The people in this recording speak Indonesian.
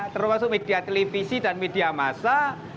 termasuk media televisi dan media massa